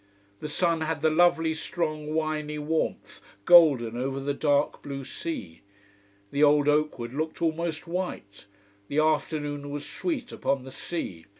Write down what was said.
The sun had the lovely strong winey warmth, golden over the dark blue sea. The old oak wood looked almost white, the afternoon was sweet upon the sea.